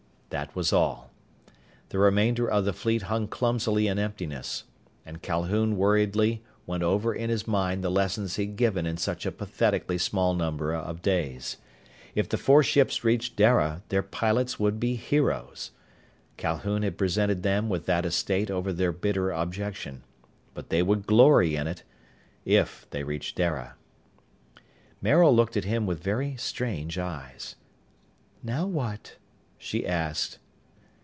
That was all. The remainder of the fleet hung clumsily in emptiness. And Calhoun worriedly went over in his mind the lessons he'd given in such a pathetically small number of days. If the four ships reached Dara, their pilots would be heroes. Calhoun had presented them with that estate over their bitter objection. But they would glory in it if they reached Dara. Maril looked at him with very strange eyes. "Now what?" she asked.